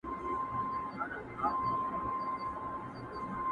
پر سر یې واوري اوروي پای یې ګلونه٫